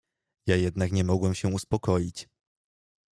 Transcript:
"Ja jednak nie mogłem się uspokoić."